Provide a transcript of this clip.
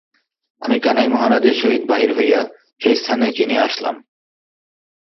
আমি কানাই মহারাজের সহিত বাহির হইয়া সেইস্থান চিনিয়া আসিলাম।